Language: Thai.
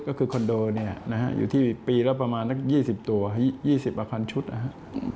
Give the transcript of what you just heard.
ก็คือคอนโดอยู่ที่ปีแล้วประมาณ๒๐ตัว๒๐อาคารชุดนะครับ